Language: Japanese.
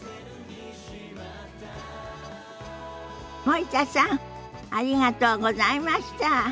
森田さんありがとうございました。